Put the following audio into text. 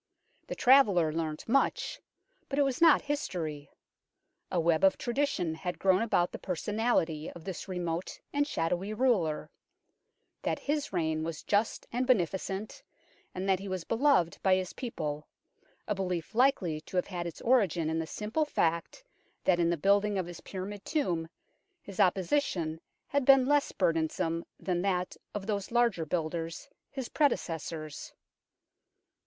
The traveller learnt much, but it was not history. A web of tradition had grown about the personality of this remote and shadowy ruler : that his reign was just and beneficent, and that he was beloved by his people a belief likely to have had its origin in the simple fact that in the building of his pyramid tomb his oppression had been less burdensome than that of those larger builders, his prede cessors.